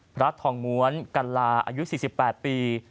พระทองม้วนกัลลาอายุ๔๘ปี